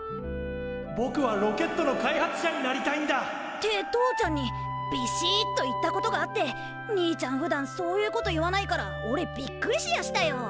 ぼくはロケットの開発者になりたいんだ！って父ちゃんにびしっと言ったことがあって兄ちゃんふだんそういうこと言わないからおれびっくりしやしたよ。